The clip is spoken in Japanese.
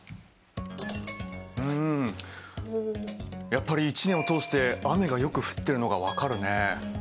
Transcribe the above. うんやっぱり一年を通して雨がよく降ってるのが分かるね。